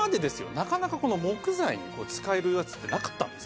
なかなか木材に使えるやつってなかったんですよ。